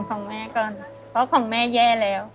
ของแม่ก่อนเพราะของแม่แย่แล้ว